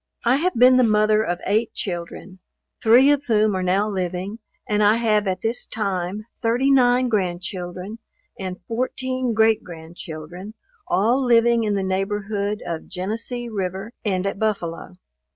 I have been the mother of eight children; three of whom are now living, and I have at this time thirty nine grand children, and fourteen great grand children, all living in the neighborhood of Genesee River, and at Buffalo.